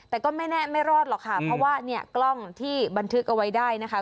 แต่ก็ไม่แน่ไม่รอดหรอกค่ะเพราะว่าเนี่ยกล้องที่บันทึกเอาไว้ได้นะคะ